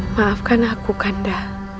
maafkan aku kanda